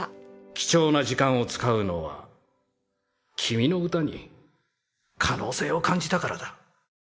貴重な時間を使うのは君の歌に可能性を感じたからだ。